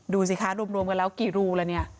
ดูสิคะรวมกันแล้วกี่รูแล้วเนี่ย